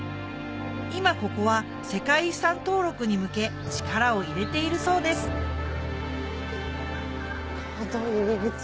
今ここは世界遺産登録に向け力を入れているそうです入り口。